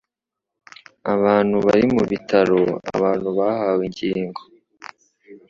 abantu bari mu bitaro, abantu bahawe ingingo